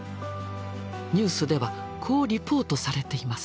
ニュースではこうリポートされています。